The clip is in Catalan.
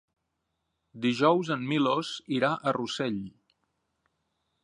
Dijous en Milos irà a Rossell.